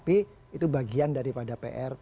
itu bagian daripada pr